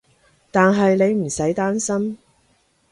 但係你唔使擔心